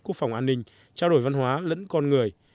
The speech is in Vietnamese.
quốc phòng an ninh trao đổi văn hóa lẫn con người